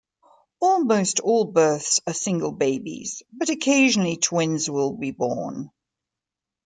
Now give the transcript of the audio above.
Almost all births are single babies but occasionally twins will be born.